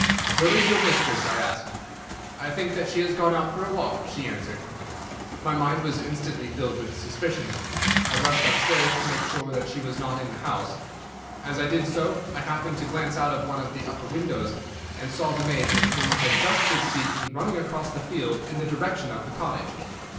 "'Where is your mistress?' I asked. "'I think that she has gone out for a walk,' she answered. "My mind was instantly filled with suspicion. I rushed upstairs to make sure that she was not in the house. As I did so I happened to glance out of one of the upper windows, and saw the maid with whom I had just been speaking running across the field in the direction of the cottage.